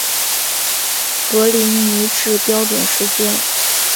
格林尼治标准时间